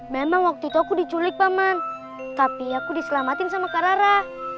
memang waktu itu aku diculik paman tapi aku diselamatin sama kakarara